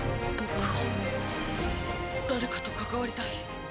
僕は誰かと関わりたい。